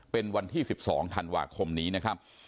เป็นวันที่๑๒ธันวาคมนี้นะครับ